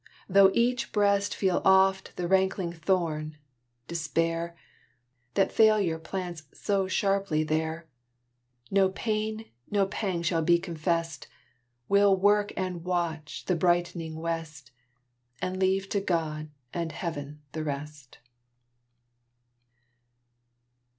Though each breast Feel oft the rankling thorn, despair, That failure plants so sharply there No pain, no pang shall be confest: We'll work and watch the brightening west, And leave to God and Heaven the rest.